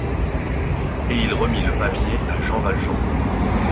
Et il remit le papier à Jean Valjean.